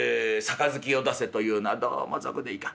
『盃を出せ』というのはどうも俗でいかん。